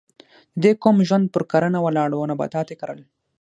د دې قوم ژوند پر کرنه ولاړ و او نباتات یې کرل.